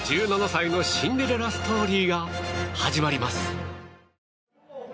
１７歳のシンデレラストーリーが始まります。